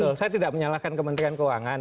betul saya tidak menyalahkan kementerian keuangan